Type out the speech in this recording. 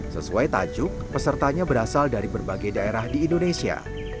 sesuai tajuk pesertanya berasal dari berbagai daerah di indonesia